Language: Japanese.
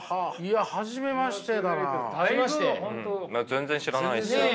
全然知らないです。